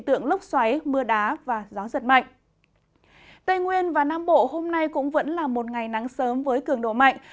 tây nguyên và nam bộ hôm nay cũng vẫn là một ngày nắng sớm với cường độ mạnh